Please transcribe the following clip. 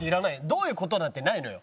「どういう事？」なんてないのよ。